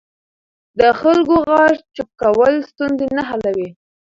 د خلکو غږ چوپ کول ستونزې نه حلوي